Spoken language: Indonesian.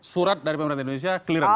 surat dari pemerintah indonesia clear